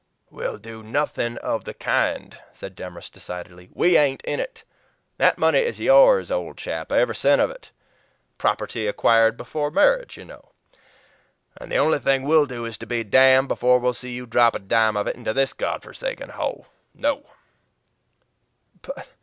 "We'll do nothing of the kind," said Demorest decidedly. "WE ain't in it. That money is yours, old chap every cent of it property acquired before marriage, you know; and the only thing we'll do is to be damned before we'll see you drop a dime of it into this Godforsaken hole. No!"